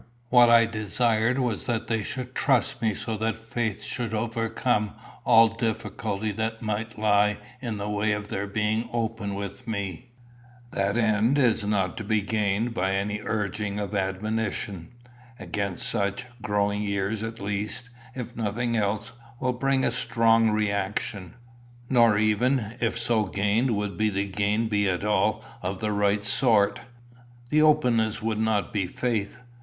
What I desired was that they should trust me so that faith should overcome all difficulty that might lie in the way of their being open with me. That end is not to be gained by any urging of admonition. Against such, growing years at least, if nothing else, will bring a strong reaction. Nor even, if so gained would the gain be at all of the right sort. The openness would not be faith.